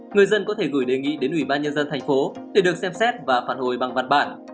người dân có thể gửi đề nghị đến ubnd tp để được xem xét và phản hồi bằng văn bản